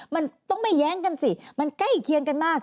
มันต้องไม่แย้งกันสิมันใกล้เคียงกันมาก